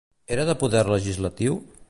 Era de poder legislatiu?